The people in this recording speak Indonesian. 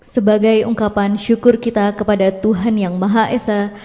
sebagai ungkapan syukur kita kepada tuhan yang maha esa